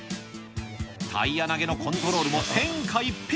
タイヤ投げのコントロールも天下一品。